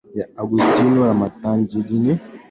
ya agustino ramadhan jaji agustino ni hayo tu